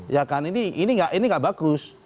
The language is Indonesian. ya kan ini nggak bagus